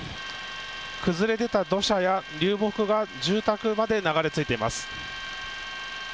崩れ出た土砂や流木が住宅まで流れ着いています。